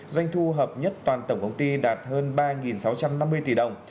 doanh thu hợp nhất toàn tổng công ty đạt hơn ba sáu trăm năm mươi tỷ đồng